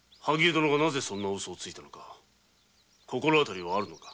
絵殿がなぜそんなウソをついたか心あたりはあるのか？